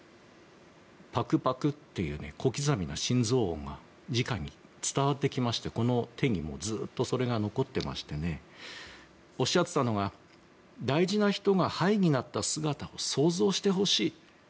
バクバクっていう小刻みな心臓音がじかに伝わってきまして手にもずっとそれが残ってましておっしゃっていたのは大事な人が灰になった姿を想像してほしい。